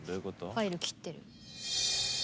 ファイル切ってる。